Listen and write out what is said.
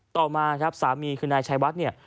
ต่อมาครับสามีคือนายชายวัดเนี่ย